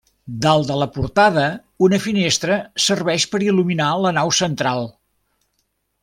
Dalt de la portada una finestra serveix per il·luminar la nau central.